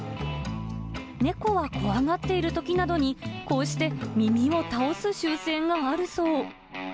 猫は怖がっているときなどに、こうして耳を倒す習性があるそう。